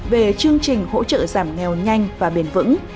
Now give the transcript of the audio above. về chương trình hỗ trợ giảm nghèo nhanh và bền vững